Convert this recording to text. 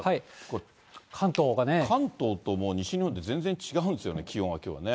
関東と、もう西日本で全然違うんですよね、気温がきょうね。